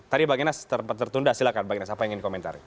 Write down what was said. tadi mbak guinness tertunda silahkan mbak guinness apa yang ingin dikomentari